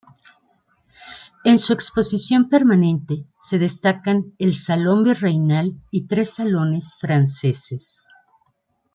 En su exposición permanente se destacan el Salón Virreinal y tres salones franceses.